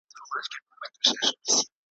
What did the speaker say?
د مرګ تر ورځي دغه داستان دی ,